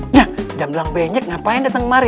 nyah jam dalam banyak ngapain datang kemari